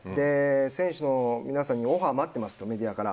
選手の皆さんにオファー待ってますとメディアから。